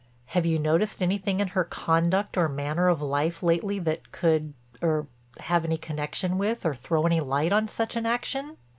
"Have you noticed anything in her conduct or manner of life lately that could—er—have any connection with or throw any light on such an action?"